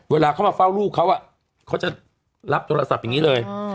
เวลาเขามาเฝ้าลูกเขาเขาจะรับโทรศัพท์อย่างนี้เลย